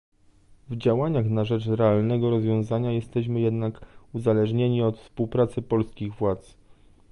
W działaniach na rzecz realnego rozwiązania jesteśmy jednak uzależnieni od współpracy polskich władz